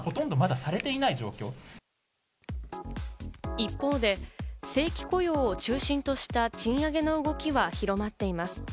一方で正規雇用を中心とした賃上げの動きは広まっています。